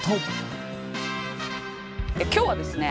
今日はですね